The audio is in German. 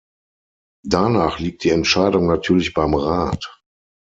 Danach liegt die Entscheidung natürlich beim Rat.